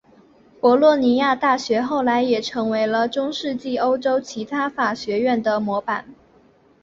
博洛尼亚大学后来也成为了中世纪欧洲其他法学院的模板。